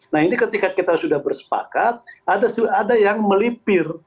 nah ini ketika kita sudah bersepakat ada yang melipir